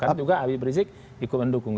kan juga habib rizik ikut mendukung